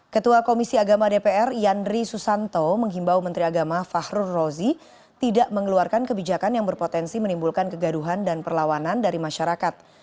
ketua komisi agama dpr yandri susanto menghimbau menteri agama fahrul rozi tidak mengeluarkan kebijakan yang berpotensi menimbulkan kegaduhan dan perlawanan dari masyarakat